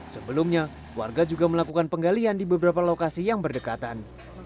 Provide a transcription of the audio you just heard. sebelumnya warga juga melakukan penggalian di beberapa lokasi yang berdekatan